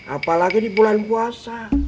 apalagi di bulan puasa